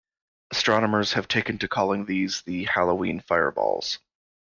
Astronomers have taken to calling these the Halloween fireballs.